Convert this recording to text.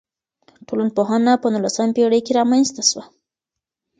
ټولنپوهنه په نولسمه پېړۍ کي رامنځته سوه.